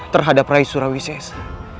terhadap rai surawisesa